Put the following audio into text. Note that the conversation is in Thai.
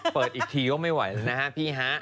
เปิดอีกทีก็ไม่ไหวแล้วนะฮะพี่ฮะ